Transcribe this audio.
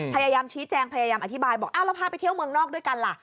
พยายามชี้แจงพยายามอธิบายบอกอ้าวแล้วพาไปเที่ยวเมืองนอกด้วยกันล่ะ